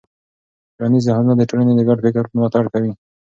ټولنیز نهادونه د ټولنې د ګډ فکر ملاتړ کوي.